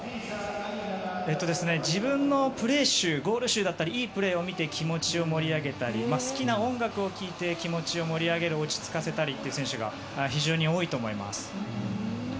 自分のプレー集ゴール集だったりいいプレーを見て気持ちを盛り上げたり好きな音楽を聴いて気持ちを盛り上げる落ち着かせるという選手が多いと思います。